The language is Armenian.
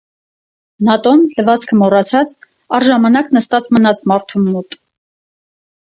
Նատոն լվացքը մոռացած՝ առժամանակ նստած մնաց մարդու մոտ: